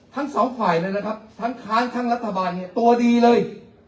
ทั้งสองฝ่ายเลยนะครับทั้งค้านทั้งรัฐบาลเนี่ยตัวดีเลย